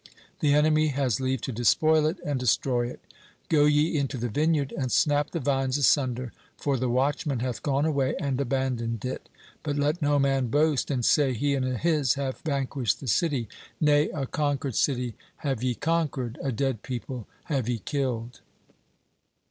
The enemy has leave to despoil it and destroy it. Go ye into the vineyard and snap the vines asunder, for the Watchman hath gone away and abandoned it. But let no man boast and say, he and his have vanquished the city. Nay, a conquered city have ye conquered, a dead people have ye killed."